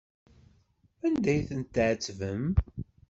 Anda ay tent-tɛettbem?